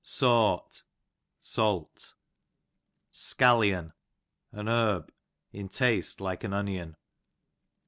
Sawt, salt. Scallion, an herb, in taste like onion.